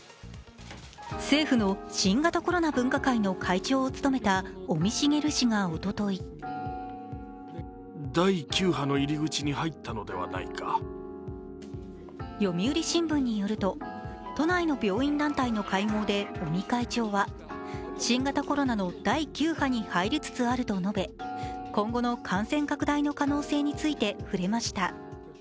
政府の新型コロナ分科会の会長を務めた尾身茂氏がおととい「読売新聞」によると、都内の病院団体の会合で尾身会長は新型コロナの第９波に入りつつあると述べ、今後の感染拡大の可能性について触れました